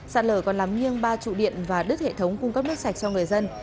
sạt lở còn làm nghiêng ba trụ điện và đứt hệ thống cung cấp nước sạch cho người dân